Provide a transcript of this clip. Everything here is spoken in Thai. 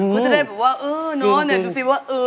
ประจะได้ังหมดว่าเอ๋อเนอะเนี่ยดูสิว่าเอ๋อ